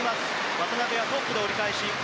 渡辺はトップで折り返し。